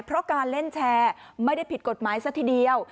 เพราะการเล่นแชร์ไม่ได้ผิดกฎหมายซะทีเดียว